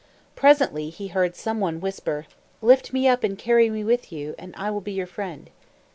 Presently he heard some one whisper, "Lift me up and carry me with you, and I will be your friend."